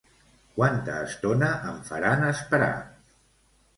Quanta estona em faran esperar?